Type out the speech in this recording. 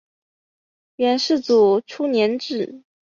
元世祖初年置。